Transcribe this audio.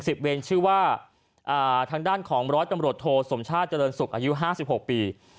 สิบเวรชื่อว่าทางด้านของร้อยตำรวจโทสมชาติเจริญศุกร์อายุ๕๖ปี